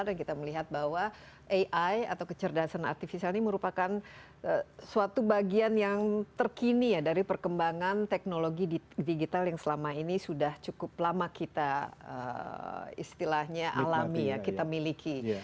dan kita melihat bahwa ai atau kecerdasan artifisial ini merupakan suatu bagian yang terkini dari perkembangan teknologi digital yang selama ini sudah cukup lama kita istilahnya alami kita miliki